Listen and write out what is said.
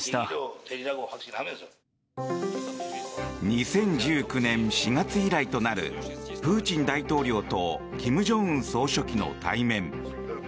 ２０１９年４月以来となるプーチン大統領と金正恩総書記の対面。